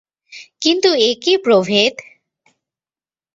কিন্তু এ কী প্রভেদ!